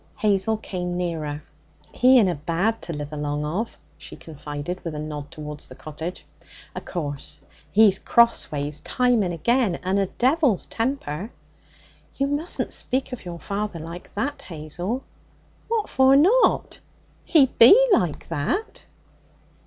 Hazel came nearer. 'He inna bad to live along of,' she confided, with a nod towards the cottage. 'O' course, he's crossways time and again, and a devil's temper.' 'You mustn't speak of your father like that, Hazel.' 'What for not? He be like that.'